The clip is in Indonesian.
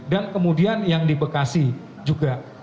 dan kemudian yang di bekasi juga